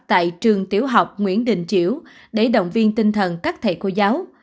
tại trường tiểu học nguyễn đình chiểu để động viên tinh thần các thầy cô giáo